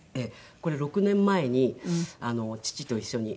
これ６年前に父と一緒に父の。